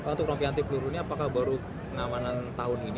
untuk rompi anti peluru ini apakah baru pengamanan tahun ini